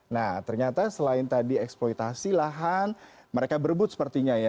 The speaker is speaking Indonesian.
nah ternyata selain tadi eksploitasi lahan mereka berebut sepertinya ya